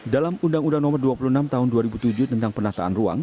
dalam undang undang nomor dua puluh enam tahun dua ribu tujuh tentang penataan ruang